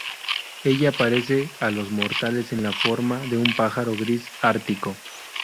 Ella aparece a los mortales en la forma de un pájaro gris ártico.